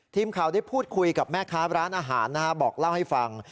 ทีมข่าวได้พูดคุยกับแม่ค้าร้านอาหารนะฮะบอกเล่าให้ฟัง